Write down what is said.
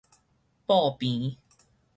布棚